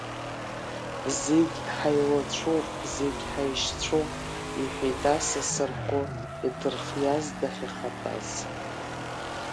Зегь ҳаиуацәоуп, зегь ҳаишьцәоуп, – иҳәеит асас рхәы идырхиаз дахьахатәаз.